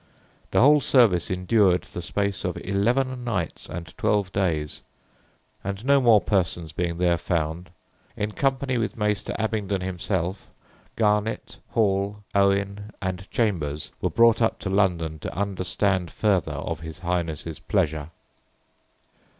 The whole service endured the space of eleven nights and twelve days, and no more persons being there found, in company with Mayster Abbingdon himself, Garnet, Hill [Hall], Owen, and Chambers, were brought up to London to understand further of his highness's pleasure."